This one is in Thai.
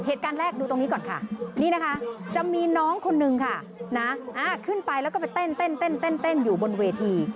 เหตุการณ์แรกดูตรงนี้ก่อนค่ะนี่นะคะจะมีน้องคนนึงค่ะนะขึ้นไปแล้วก็ไปเต้นอยู่บนเวที